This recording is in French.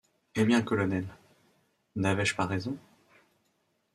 Eh ! bien, colonel, n’avais-je pas raison